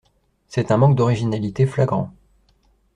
C'est un manque d'originalité flagrant.